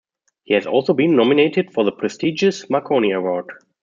He has also been nominated for the prestigious Marconi Award.